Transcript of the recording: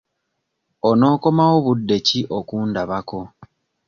Onookomawo budde ki okundabako?